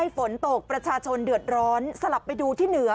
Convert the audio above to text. ฝนตกประชาชนเดือดร้อนสลับไปดูที่เหนือ